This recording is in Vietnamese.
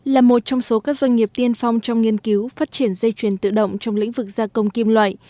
là một trong số các doanh nghiệp tiên phong trong nghiên cứu phát triển dây chuyển tự động trong lĩnh vực gia công kim loại